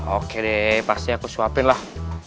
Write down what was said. oke pasti aku suapin lah